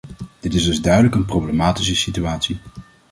Dit is dus duidelijk een problematische situatie.